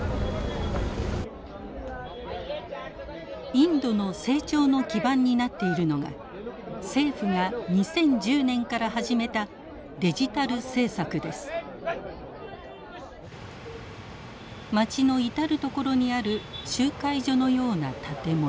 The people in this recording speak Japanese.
インドの成長の基盤になっているのが政府が２０１０年から始めた町の至る所にある集会所のような建物。